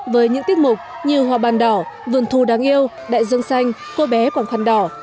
với những tiết mục như hoa bàn đỏ vườn thu đáng yêu đại dương xanh cô bé quảng khăn đỏ